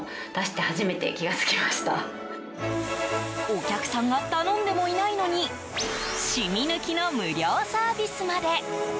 お客さんが頼んでもいないのに染み抜きの無料サービスまで。